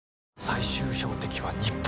最終標的は日本